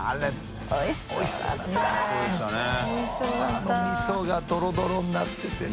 あのみそがトロトロになっててね。